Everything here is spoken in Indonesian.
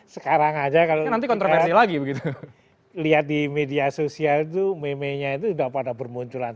sekarang saja kalau kita lihat di media sosial itu meme nya itu sudah pada bermunculan